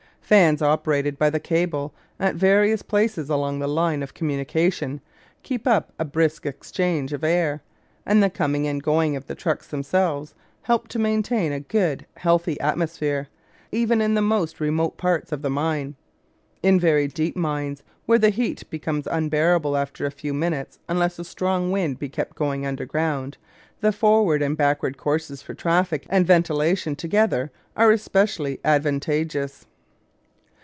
Fans, operated by the cable at various places along the line of communication, keep up a brisk exchange of air, and the coming and going of the trucks themselves help to maintain a good, healthy atmosphere, even in the most remote parts of the mine. In very deep mines, where the heat becomes unbearable after a few minutes unless a strong wind be kept going underground, the forward and backward courses for traffic and ventilation together are specially advantageous.